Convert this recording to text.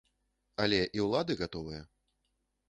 Але і ўлады гатовыя.